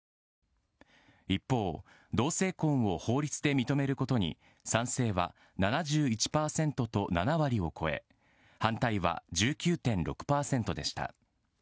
一方、同性婚を法律で認めることに賛成は７１％と７割を超え反対は１９．６％でした。